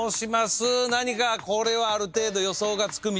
何かこれはある程度予想がつくみたいな。